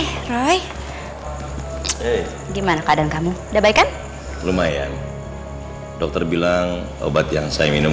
hai roy gimana keadaan kamu udah baik kan lumayan dokter bilang obat yang saya minum